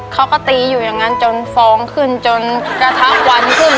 เขาก็ตีอยู่อย่างนั้นจนฟองขึ้นจนกระทั่งวันขึ้น